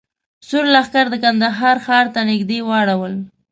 سور لښکر د کندهار ښار ته نږدې واړول.